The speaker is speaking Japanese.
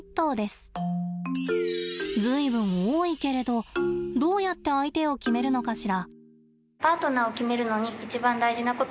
随分多いけれどどうやって相手を決めるのかしら？